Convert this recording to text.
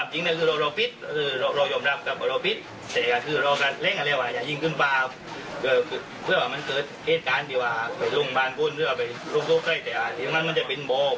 ซึ่งเนมบองนางกันแล้ว